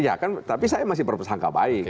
iya kan tapi saya masih berpersangka baik